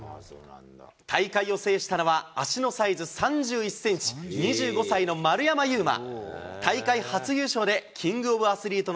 大会を制したのは、足のサイズ３１センチ、２５歳の丸山優真。